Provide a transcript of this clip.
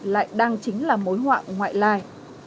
lại đang chính là mối hoạng ngoại lai